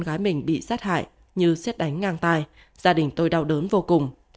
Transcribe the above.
gái mình bị sát hại như xét đánh ngang tai gia đình tôi đau đớn vô cùng